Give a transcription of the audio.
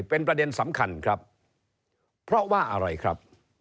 เป็นประเด็นสำคัญครับเพราะว่าอะไรครับ